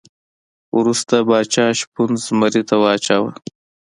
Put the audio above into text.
وروسته پاچا شپون زمري ته واچاوه.